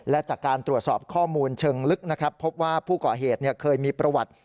และจากการตรวจสอบข้อมูลเชิงลึกนะครับพบว่าผู้ก่อเหตุเคยมีประวัติ